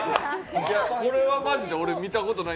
これは俺、マジで見たことない。